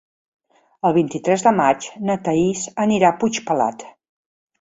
El vint-i-tres de maig na Thaís anirà a Puigpelat.